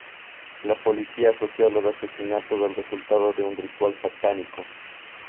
La policía asoció los asesinatos al resultado de un ritual satánico.